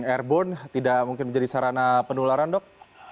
airborne tidak mungkin menjadi sarana penularan dok